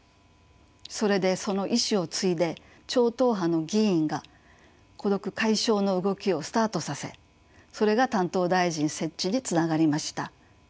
それでその意思を継いで超党派の議員が孤独解消の動きをスタートさせそれが担当大臣設置につながりました。